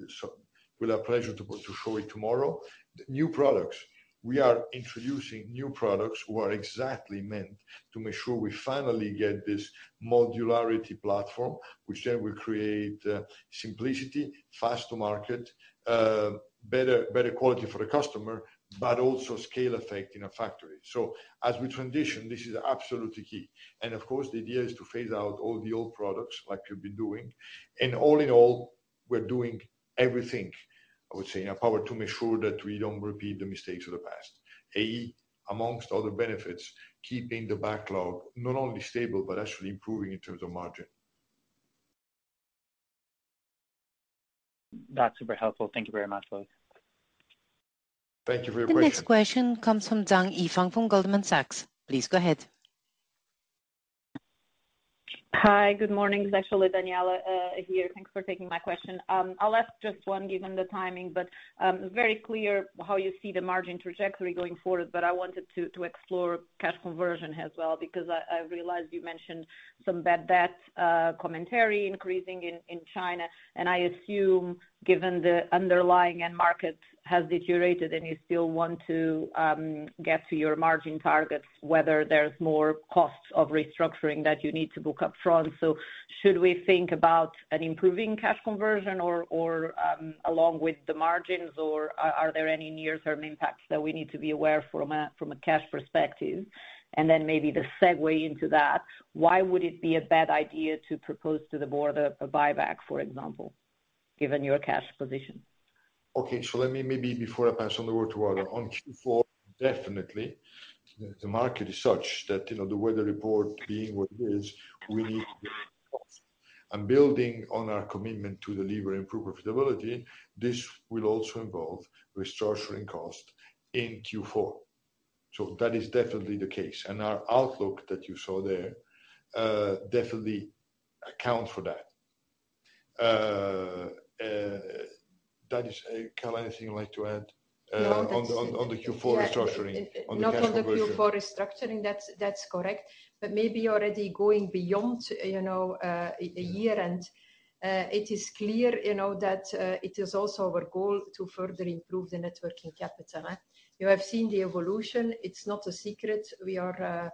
so with our pleasure to show it tomorrow, new products. We are introducing new products who are exactly meant to make sure we finally get this modularity platform, which then will create simplicity, fast to market, better, better quality for the customer, but also scale effect in a factory. So as we transition, this is absolutely key. And of course, the idea is to phase out all the old products like we've been doing. And all in all, we're doing everything, I would say, in our power, to make sure that we don't repeat the mistakes of the past. Amongst other benefits, keeping the backlog not only stable, but actually improving in terms of margin. That's super helpful. Thank you very much, folks. Thank you for your question. The next question comes from Zhang Yifang from Goldman Sachs. Please go ahead. Hi, good morning. It's actually Daniela here. Thanks for taking my question. I'll ask just one, given the timing, but very clear how you see the margin trajectory going forward. But I wanted to explore cash conversion as well, because I realized you mentioned some bad debt commentary increasing in China, and I assume, given the underlying end market has deteriorated, and you still want to get to your margin targets, whether there's more costs of restructuring that you need to book up front. So should we think about an improving cash conversion or along with the margins, or are there any near-term impacts that we need to be aware from a cash perspective? Then maybe the segue into that, why would it be a bad idea to propose to the board a buyback, for example, given your cash position? Okay, so let me maybe before I pass on the word to Carla. On Q4, definitely, the market is such that, you know, the weather report being what it is, we need- and building on our commitment to deliver improved profitability, this will also involve restructuring costs in Q4. So that is definitely the case, and our outlook that you saw there, definitely account for that. That is... Carla, anything you'd like to add, on the Q4 restructuring? No, that's- On the cash conversion. Not on the Q4 restructuring, that's correct. But maybe already going beyond, you know, a year, and it is clear, you know, that it is also our goal to further improve the net working capital, eh? You have seen the evolution. It's not a secret. We are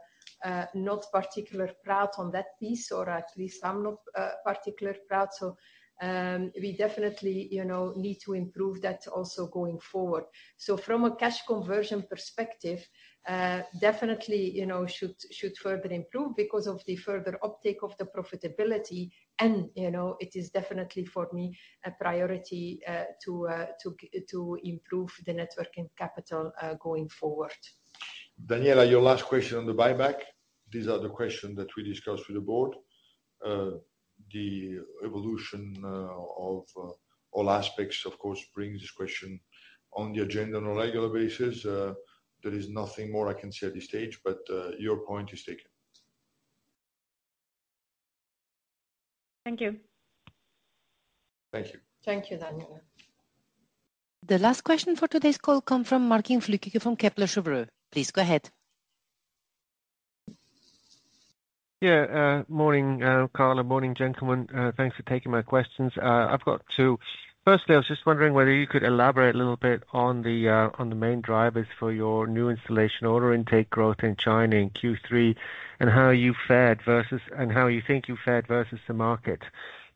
not particularly proud on that piece, or at least I'm not particularly proud. So we definitely, you know, need to improve that also going forward. So from a cash conversion perspective, definitely, you know, should further improve because of the further uptake of the profitability, and you know, it is definitely, for me, a priority to improve the net working capital going forward. Daniela, your last question on the buyback. These are the questions that we discussed with the board. The evolution of all aspects, of course, brings this question on the agenda on a regular basis. There is nothing more I can say at this stage, but your point is taken. Thank you. Thank you. Thank you, Daniela. The last question for today's call comes from Martin Flueckiger from Kepler Cheuvreux. Please go ahead. Yeah, morning, Carla, morning, gentlemen. Thanks for taking my questions. I've got two. Firstly, I was just wondering whether you could elaborate a little bit on the main drivers for your new installation order intake growth in China in Q3, and how you fared versus the market?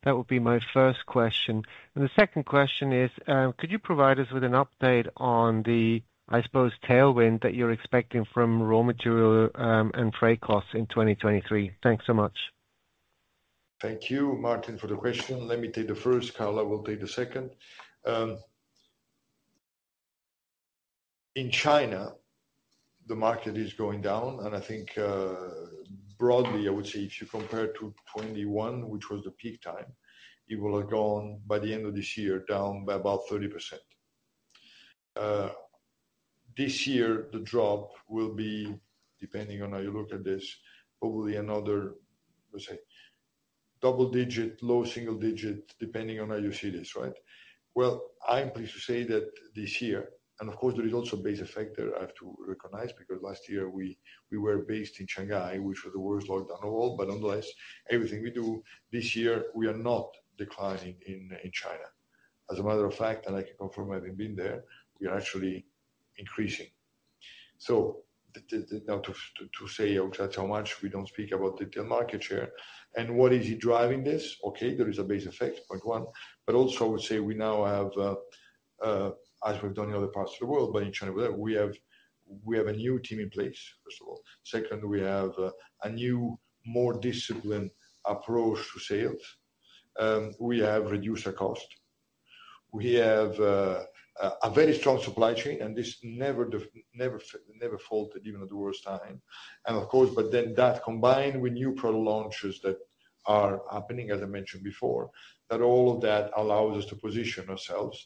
That would be my first question. And the second question is, could you provide us with an update on the, I suppose, tailwind that you're expecting from raw material and freight costs in 2023? Thanks so much. Thank you, Martin, for the question. Let me take the first. Carla will take the second. In China, the market is going down, and I think, broadly, I would say if you compare to 2021, which was the peak time, it will have gone, by the end of this year, down by about 30%. This year, the drop will be, depending on how you look at this, probably another, let's say, double-digit, low single-digit, depending on how you see this, right? Well, I'm pleased to say that this year, and of course, there is also a base effect there I have to recognize, because last year we, we were based in Shanghai, which was the worst lockdown of all. But nonetheless, everything we do this year, we are not declining in, in China. As a matter of fact, and I can confirm, having been there, we are actually increasing. So now, to say exactly how much, we don't speak about the market share. And what is driving this? Okay, there is a base effect, point one, but also I would say we now have, as we've done in other parts of the world, but in China, we have a new team in place, first of all. Second, we have a new, more disciplined approach to sales. We have reduced our cost. We have a very strong supply chain, and this never faulted, even at the worst time. Of course, but then that combined with new product launches that are happening, as I mentioned before, that all of that allows us to position ourselves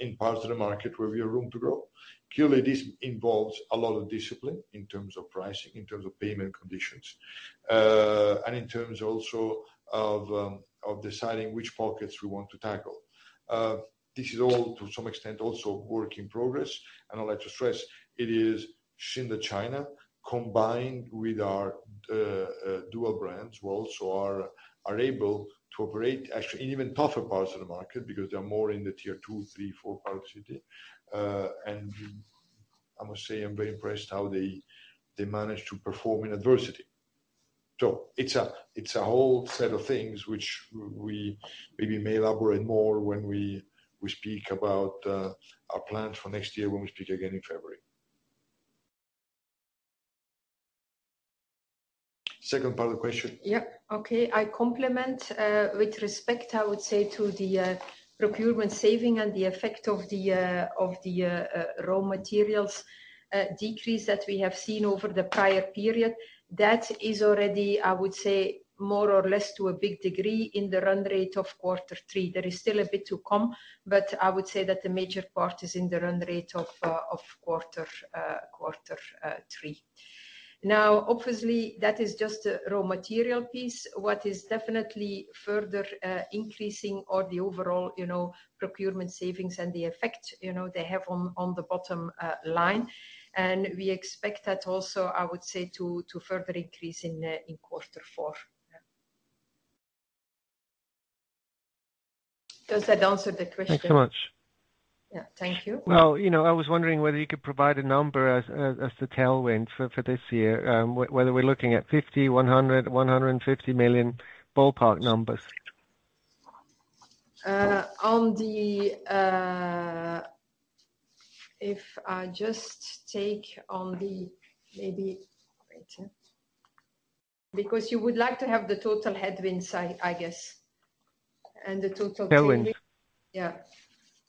in parts of the market where we have room to grow. Clearly, this involves a lot of discipline in terms of pricing, in terms of payment conditions, and in terms also of deciding which pockets we want to tackle. This is all to some extent also work in progress, and I'd like to stress it is Synda China, combined with our dual brands, who also are able to operate actually in even tougher parts of the market because they're more in the tier two, three, four parts city. And I must say, I'm very impressed how they managed to perform in adversity. So it's a, it's a whole set of things which we may elaborate more when we speak about our plans for next year, when we speak again in February. Second part of the question? Yeah. Okay. I comment with respect, I would say, to the procurement savings and the effect of the raw materials decrease that we have seen over the prior period. That is already, I would say, more or less to a big degree in the run rate of quarter three. There is still a bit to come, but I would say that the major part is in the run rate of quarter three. Now, obviously, that is just a raw material piece. What is definitely further increasing is the overall, you know, procurement savings and the effect, you know, they have on the bottom line, and we expect that also, I would say, to further increase in quarter four. Yeah. Does that answer the question? Thanks so much. Yeah. Thank you. Well, you know, I was wondering whether you could provide a number as the tailwind for this year, whether we're looking at 50 million, 100 million, 150 million ballpark numbers. On the... If I just take on the maybe... Waiter. Because you would like to have the total headwinds, I guess, and the total tailwind? Tailwind. Yeah.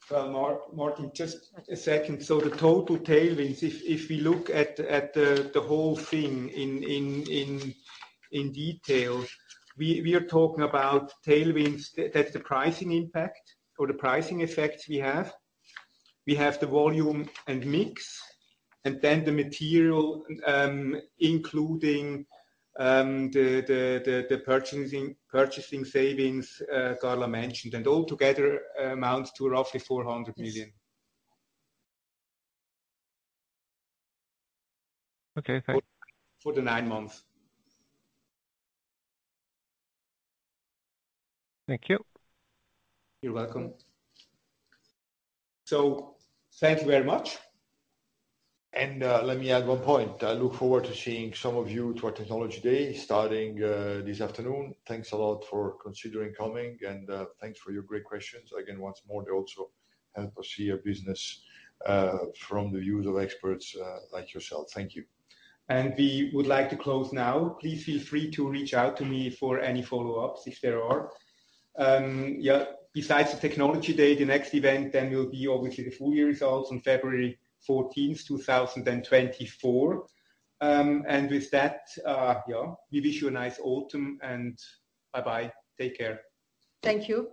Well, Martin, just a second. So the total tailwinds, if we look at the whole thing in detail, we are talking about tailwinds. That's the pricing impact or the pricing effect we have. We have the volume and mix, and then the material, including the purchasing savings Carla mentioned, and altogether amounts to roughly 400 million. Okay, thank you. For the nine months. Thank you. You're welcome. Thank you very much. Let me add one point. I look forward to seeing some of you to our Technology Day, starting this afternoon. Thanks a lot for considering coming, and thanks for your great questions. Again, once more, they also help us see our business from the views of experts like yourself. Thank you. And we would like to close now. Please feel free to reach out to me for any follow-ups, if there are. Yeah, besides the Technology Day, the next event then will be obviously the full year results on February 14, 2024. And with that, yeah, we wish you a nice autumn, and bye-bye. Take care. Thank you.